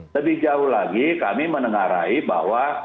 lebih jauh lagi kami menengarai bahwa